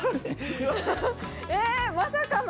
まさかの！